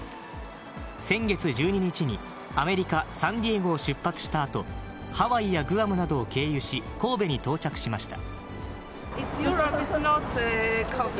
先月１２日に、アメリカ・サンディエゴを出発したあと、ハワイやグアムなどを経由し、神戸に到着しました。